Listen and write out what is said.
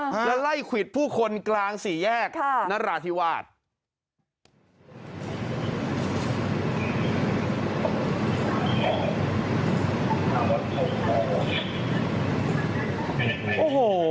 แล้วไล่ควิดผู้คนกลางสี่แยกนราธิวาส